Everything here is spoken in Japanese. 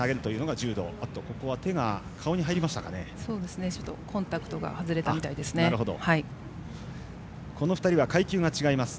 ちょっとコンタクトが外れたみたいですね。